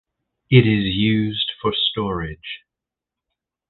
It is used for storage.